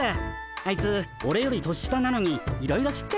あいつオレより年下なのにいろいろ知ってて。